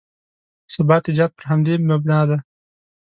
ثبات ایجاد پر همدې مبنا دی.